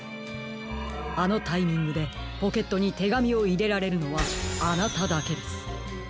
あのタイミングでポケットにてがみをいれられるのはあなただけです。